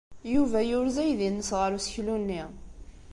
Yuba yurez aydi-nnes ɣer useklu-nni.